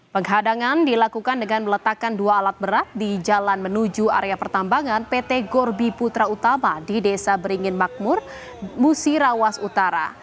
penghadangan dilakukan dengan meletakkan dua alat berat di jalan menuju area pertambangan pt gorbi putra utama di desa beringin makmur musirawas utara